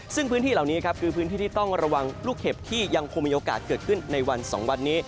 ซึ่งพื้นที่เหล่านี้ครับคือพื้นที่ที่ต้องระวังลูกเห็บที่ยังคงมีโอกาสเกิดขึ้นในวัน๒วันนี้